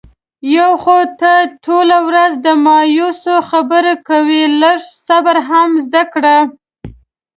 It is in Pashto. یو خو ته ټوله ورځ د مایوسی خبرې کوې. لږ صبر هم زده کړه.